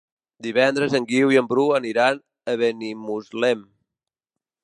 Divendres en Guiu i en Bru aniran a Benimuslem.